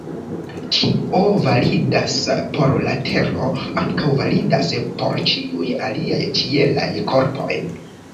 Kio validas por la Tero, ankaŭ validas por ĉiuj aliaj ĉielaj korpoj.